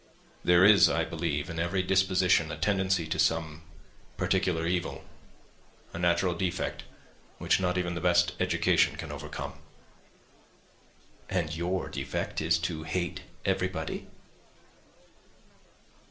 "There is, I believe, in every disposition a tendency to some particular evil, a natural defect, which not even the best education can overcome." "And your defect is a propensity to hate everybody."